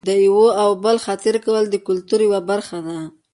د یوه او بل خاطر کول د کلتور یوه برخه ده.